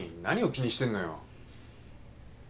何を気にしてんのよ？